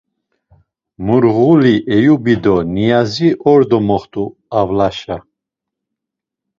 Murğuli Eyubi do Niyazi ordo moxt̆u avlaşa.